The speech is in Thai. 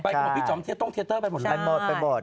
ไปกับพี่จ๋อมต้นทีเตอร์ไปหมดหรือใช่หมด